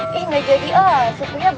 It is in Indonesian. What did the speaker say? lihat lihat turunnya